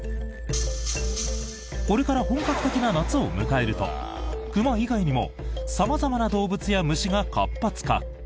これから本格的な夏を迎えると熊以外にも様々な動物や虫が活発化。